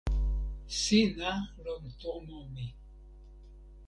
sina lon tomo mi.